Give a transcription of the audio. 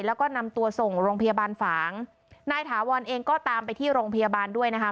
แล้วก็นำตัวส่งโรงพยาบาลฝางนายถาวรเองก็ตามไปที่โรงพยาบาลด้วยนะคะ